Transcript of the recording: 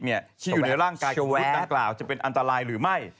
ที่อยู่ในร่างกายกับมนุษย์ดังกล่าวจะเป็นอันตรายหรือไม่